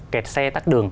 kẹt xe tắt đường